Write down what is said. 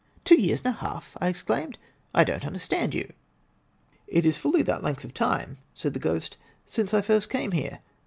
"Two years and a half!" I exclaimed. "I don't understand you." "It is fully that length of time," said the ghost, "since I first came here.